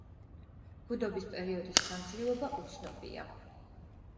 ბუდობის პერიოდის ხანგრძლივობა უცნობია.